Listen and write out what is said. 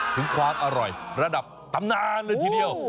ถึงความอร่อยระดับตำนานเลยทีเดียว